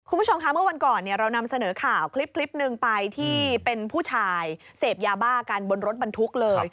คุณผู้ชมค่ะเมื่อวันก่อนเรานำเสนอข่าวคลิปหนึ่งไปที่เป็นผู้ชายเสพยาบ้ากันบนรถบรรทุกเลย